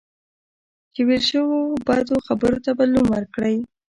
چې ویل شوو بدو خبرو ته بدلون ورکړئ.